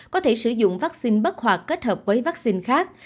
có thể sử dụng vaccine bất hoạt kết hợp với vaccine khác